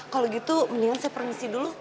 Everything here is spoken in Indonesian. kalau gitu mendingan saya permisi dulu